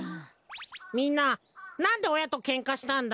みんななんでおやとケンカしたんだ？